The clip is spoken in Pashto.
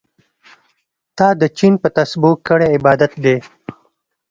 تا د چين په تسبو کړی عبادت دی